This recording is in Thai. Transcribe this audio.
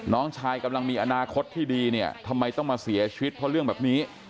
น้องชายกำลังมีอนาคตที่ดีเนี่ยทำไมต้องมาเสียชีวิตเพราะเรื่องแบบนี้